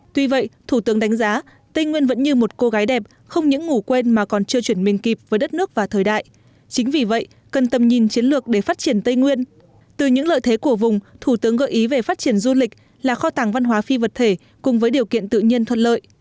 từ những lợi thế của vùng thủ tướng gợi ý về phát triển du lịch là kho tàng văn hóa phi vật thể cùng với điều kiện tự nhiên thuận lợi